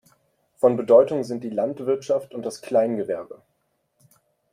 Von Bedeutung sind die Landwirtschaft und das Kleingewerbe.